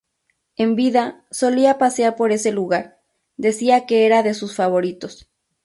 En vida solía pasear por ese lugar, decía que era de sus favoritos.